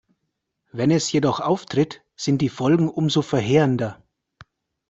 Wenn es jedoch auftritt, sind die Folgen umso verheerender.